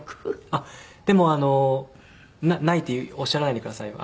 あっでもないっておっしゃらないでくださいよ。